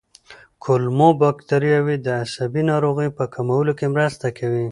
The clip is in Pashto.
کولمو بکتریاوې د عصبي ناروغیو په کمولو کې مرسته کوي.